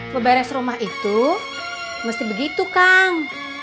ngeberes rumah itu mesti begitu kang